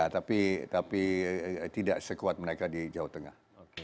tapi tidak sekuat mereka di jawa tengah